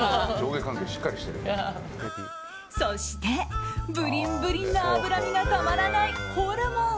そして、ブリンブリンな脂身がたまらないホルモン。